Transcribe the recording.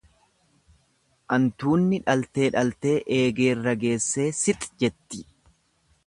Antuunni dhaltee dhaltee, eegeerra geessee six jetti.